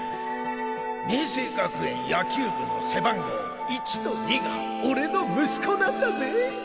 明青学園野球部の背番号１と２が俺の息子なんだぜ。